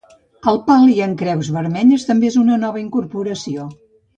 El pal·li amb creus vermelles també és una nova incorporació.